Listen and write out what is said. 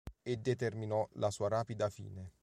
E determinò la sua rapida fine.